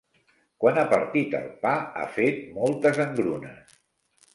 Quan ha partit el pa ha fet moltes engrunes.